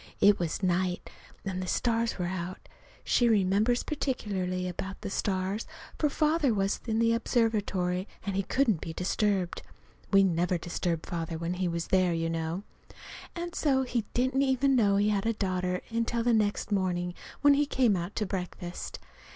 It was night and the stars were out. She remembers particularly about the stars, for Father was in the observatory, and couldn't be disturbed. (We never disturb Father when he's there, you know.) And so he didn't even know he had a daughter until the next morning when he came out to breakfast.